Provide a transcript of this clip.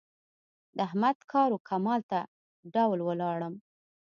د احمد کار و کمال ته ډول ولاړم.